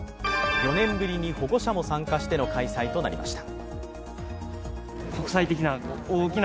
４年ぶりに保護者も参加しての開催となりました。